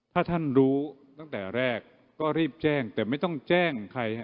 ถ้าท่านรู้ตั้งแต่แรกก็รีบแจ้งแต่ไม่ต้องแจ้งใครฮะ